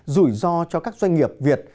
rủi ro cho các doanh nghiệp việt